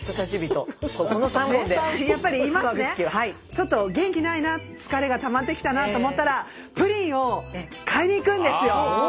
ちょっと元気ないな疲れがたまってきたなと思ったらプリンを買いに行くんですよ。